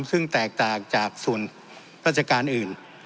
ซึ่งแตกต่างจากส่วนราชการอื่น